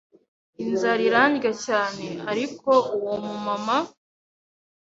inzara irandya cyane ariko uwo mumama